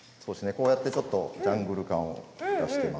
こうやってちょっとジャングル感を出しています。